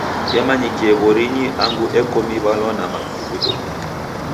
Yamanyikie w'orinyi angu eko miw'alwa na makuw'ido.